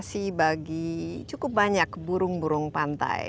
saya sudah berpengalaman dengan beberapa burung burung pantai